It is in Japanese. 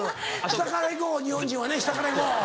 下から行こう日本人は下から行こう」。